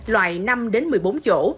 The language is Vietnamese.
loại năm đến một mươi bốn chỗ